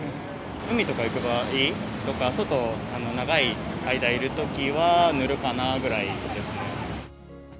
海とか行く場合とか、外、長い間いるときは塗るかなぐらいですね。